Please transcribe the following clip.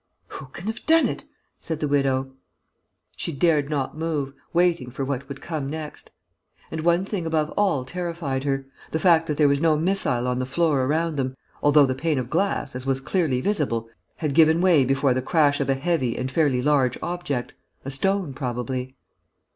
"Who can have done it?" said the widow. She dared not move, waiting for what would come next. And one thing above all terrified her, the fact that there was no missile on the floor around them, although the pane of glass, as was clearly visible, had given way before the crash of a heavy and fairly large object, a stone, probably.